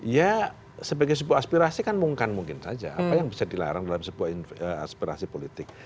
ya sebagai sebuah aspirasi kan mungkin saja apa yang bisa dilarang dalam sebuah aspirasi politik